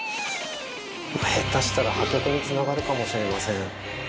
下手したら破局につながるかもしれません。